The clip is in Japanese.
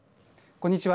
こんにちは。